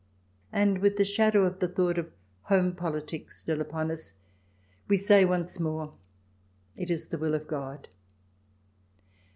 And, with the shadow of the thought of " home politics " still upon us, we say once more, "It is the will of God."